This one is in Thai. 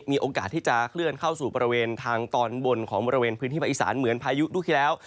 มีโอกาสที่จะเคลื่อนเข้าสู่บริเวณทางตอนบนของบริเวณพื้นที่ภาคอีสานเหมือนพายุลูกที่แล้ว